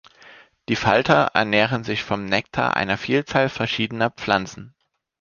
Die Falter ernähren sich vom Nektar einer Vielzahl verschiedener Pflanzen.